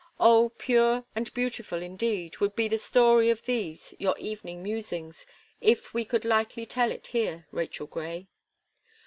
Oh! pure and beautiful, indeed, would be the story of these your evening musings, if we could lightly tell it here, Rachel Gray.